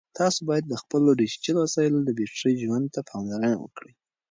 تاسو باید د خپلو ډیجیټل وسایلو د بېټرۍ ژوند ته پاملرنه وکړئ.